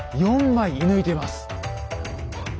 ４枚射ぬいてます。